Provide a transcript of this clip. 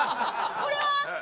これは？